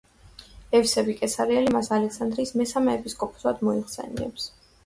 ევსები კესარიელი მას ალექსანდრიის მესამე ეპისკოპოსად მოიხსენიებს.